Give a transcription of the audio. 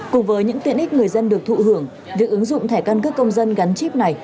cùng với những tiện ích người dân được thụ hưởng việc ứng dụng thẻ căn cước công dân gắn chip này